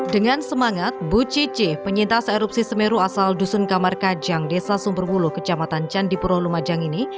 dengan semangat bu cici penyintas erupsi semeru asal dusun kamar kajang desa sumberwulu kecamatan candipuro lumajang ini